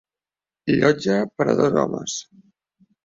Llotja per a dos homes.